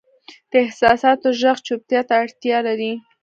د احساساتو ږغ چوپتیا ته اړتیا لري.